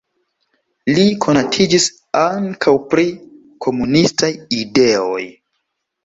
Li konatiĝis ankaŭ pri komunistaj ideoj.